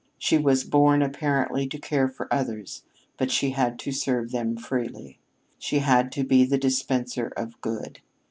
She was born, apparently, to care for others, but she had to serve them freely. She had to be the dispenser of good.